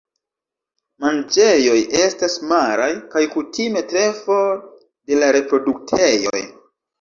Manĝejoj estas maraj kaj kutime tre for de la reproduktejoj.